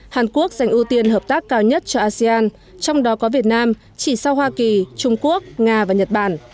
hàn quốc dành ưu tiên hợp tác cao nhất cho asean trong đó có việt nam chỉ sau hoa kỳ trung quốc nga và nhật bản